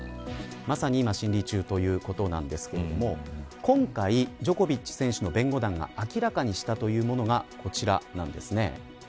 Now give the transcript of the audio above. まさに今、審理中ということなんですけれども今回、ジョコビッチ選手の弁護団が明らかにしたというものがこちらなんですね。